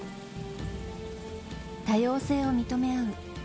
多様性を認め合う。